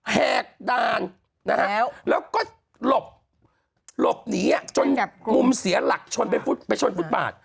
แหกด่านนะฮะแล้วก็หลบหนีจนมุมเสียหลักชนไปชนฟุตบาท